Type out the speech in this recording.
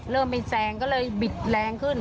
เริ่มไปแซงก็เลยบิดแรงขึ้น